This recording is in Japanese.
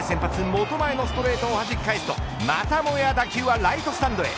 本前のストレートをはじき返すとまたもや打球はライトスタンドへ。